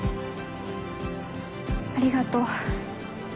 ありがとう。